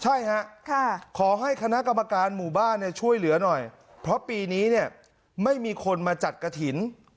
ใช่ฮะขอให้คณะกรรมการหมู่บ้านช่วยเหลือหน่อยเพราะปีนี้เนี่ยไม่มีคนมาจัดกระถิ่น